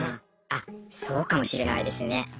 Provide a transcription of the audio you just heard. あそうかもしれないですね。